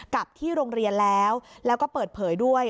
กลับที่โรงเรียนแล้วแล้วก็เปิดเผยด้วย